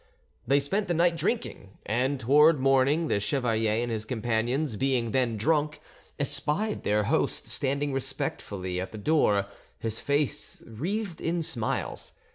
They spent the night drinking, and towards morning the chevalier and his companions, being then drunk, espied their host standing respectfully at the door, his face wreathed in smiles.